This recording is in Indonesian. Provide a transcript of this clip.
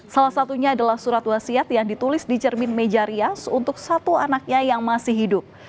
salah satunya adalah surat wasiat yang ditulis di cermin meja rias untuk satu anaknya yang masih hidup